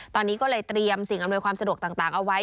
ตอนนี้ก็เลยเตรียมสิ่งอำนวยความสะดวกต่างเอาไว้